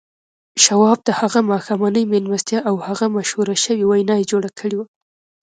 شواب ته هغه ماښامنۍ مېلمستیا او هغه مشهوره شوې وينا يې جوړه کړې وه.